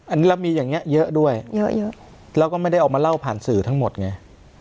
อันนี้เรามีอย่างนี้เยอะด้วยเยอะเยอะแล้วก็ไม่ได้ออกมาเล่าผ่านสื่อทั้งหมดไง